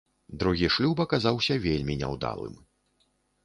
Другі шлюб аказаўся вельмі няўдалым.